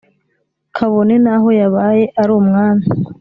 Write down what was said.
Kabone n’aho yabaye ari Umwami,